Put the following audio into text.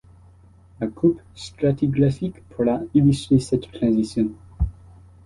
La coupe stratigraphique pourra illustrer cette transition.